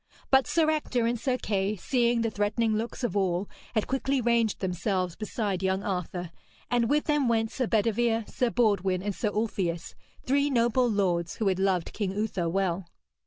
But Sir Ector and Sir Kay, seeing the threatening looks of all, had quickly ranged themselves beside young Arthur, and with them went Sir Bedevere, Sir Baudwin and Sir Ulfius, three noble lords who had loved King Uther well.